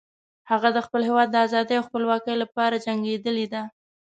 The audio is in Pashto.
هغه د خپل هیواد د آزادۍ او خپلواکۍ لپاره جنګیدلی ده